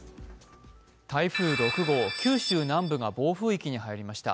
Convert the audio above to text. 台風６号、九州南部が暴風域に入りました。